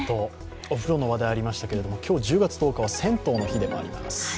お風呂の話題がありましたけど、今日１０月１０日は銭湯の日でもあります。